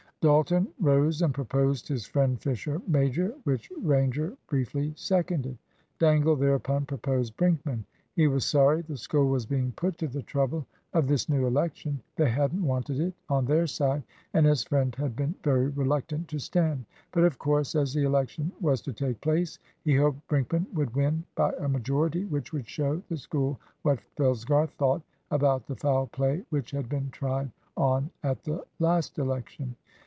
Dalton rose and proposed his friend Fisher major, which Ranger briefly seconded. Dangle thereupon proposed Brinkman. He was sorry the School was being put to the trouble of this new election. They hadn't wanted it on their side; and his friend had been very reluctant to stand. But of course, as the election was to take place, he hoped Brinkman would win by a majority which would show the School what Fellsgarth thought about the foul play which had been tried on at the last election.